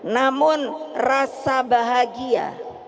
namun rasa bahagia